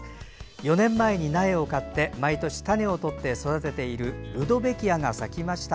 ４年前に苗を買って毎年種を取って育てているルドベキアが咲きました。